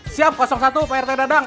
siap kosong satu pak rt dadang